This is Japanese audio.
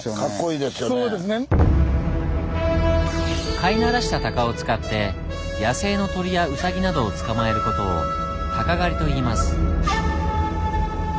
飼いならした鷹を使って野生の鳥やウサギなどを捕まえる事を「鷹狩り」といいます。